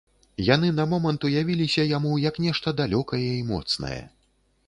Яны на момант уявіліся яму як нешта далёкае і моцнае.